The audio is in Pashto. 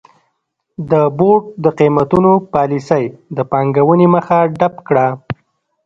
د بورډ د قېمتونو پالیسۍ د پانګونې مخه ډپ کړه.